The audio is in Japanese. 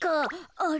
あれ？